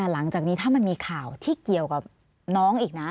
หลังจากนี้ถ้ามันมีข่าวที่เกี่ยวกับน้องอีกนะ